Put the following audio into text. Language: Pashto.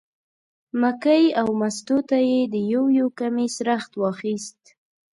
مکۍ او مستو ته یې د یو یو کمیس رخت واخیست.